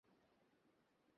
এবার আমাকে একটু হেল্প কর।